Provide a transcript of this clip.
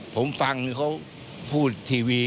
ผมฟังนี่เค้าพูดทีวี